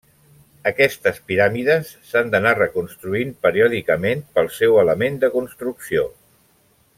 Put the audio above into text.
Aquestes piràmides s'han d'anar reconstruint periòdicament pel seu element de construcció.